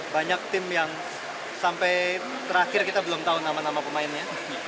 banyak tim yang sampai terakhir kita belum tahu nama nama pemainnya